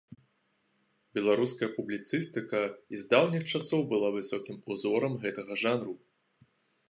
Беларуская публіцыстыка і з даўніх часоў была высокім узорам гэтага жанру.